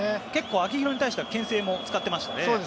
秋広に対しては結構けん制も使ってましたね。